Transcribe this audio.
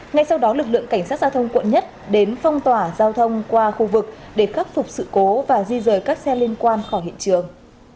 ngay sau đó lực lượng cảnh sát giao thông quận một đến phong tỏa giao thông qua khu vực để khắc phục sự cố và di rời các xe liên quan khỏi hiện trường